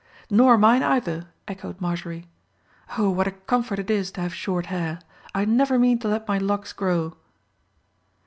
"Nor mine either," echoed Marjorie. "Oh, what a comfort it is to have short hair. I never mean to let my locks grow."